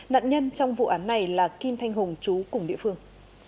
nạn nhân trong vụ án này là kim thanh hùng chú cùng địa phương